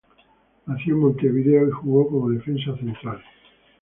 Nació en Montevideo y jugó como defensa central.